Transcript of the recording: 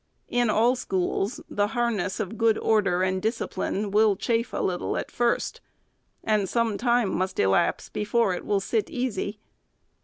In all schools, the harness of good order and discipline will chafe a little at first, and some time must elapse before it will sit easy.